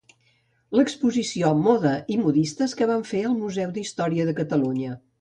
L'exposició Moda i Modistes que vam fer al Museu Història de Catalunya